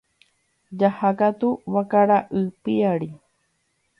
Jahákatu vakara'y piári.